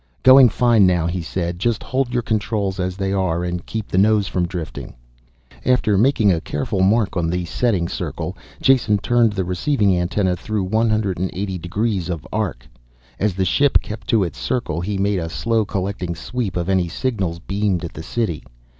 "Going fine now," he said. "Just hold your controls as they are and keep the nose from drifting." After making a careful mark on the setting circle, Jason turned the receiving antenna through one hundred eighty degrees of arc. As the ship kept to its circle, he made a slow collecting sweep of any signals beamed at the city.